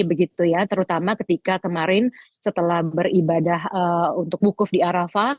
begitu ya terutama ketika kemarin setelah beribadah untuk bukuf di arafah